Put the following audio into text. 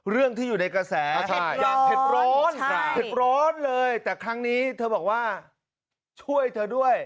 เรื่องที่อยู่ในกระแสอย่างเผ็ดร้อนเผ็ดร้อนเลยแต่ครั้งนี้เธอบอกว่าช่วยเธอด้วย